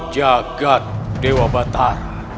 jagat dewa batara